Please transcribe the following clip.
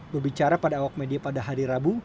berbicara pada awak media pada hari rabu